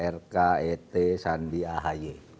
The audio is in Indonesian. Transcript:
rk et sandi ahy